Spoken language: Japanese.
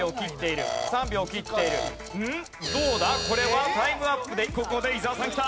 これはタイムアップでここで伊沢さんきた。